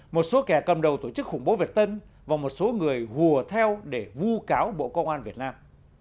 một số kẻ cầm đầu tổ chức khủng bố việt tân và một số người hùa theo để vu cáo bộ công an việt nam